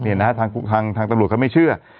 นะฮะทางตำรวจเขาไม่เชื่อ